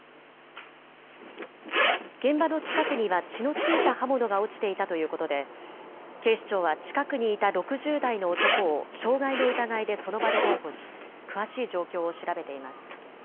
現場の近くには血の付いた刃物が落ちていたということで警視庁は近くにいた６０代の男を傷害の疑いでその場で逮捕し詳しい状況を調べています。